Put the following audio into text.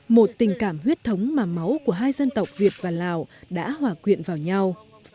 một tình cảm huyết thống mà máu của hai dân tộc việt và lào đã hòa quyện vào nhau